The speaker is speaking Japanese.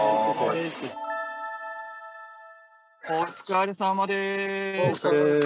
「お疲れさまです」